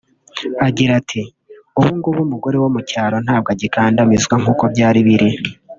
agira ati “Ubu ngubu umugore wo mu cyaro ntabwo agikandamizwa nk’uko byari biri